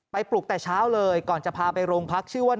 ปลุกแต่เช้าเลยก่อนจะพาไปโรงพักชื่อว่า